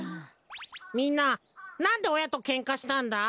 みんななんでおやとケンカしたんだ？